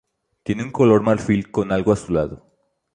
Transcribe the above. Tiene un color marfil con algo azulado.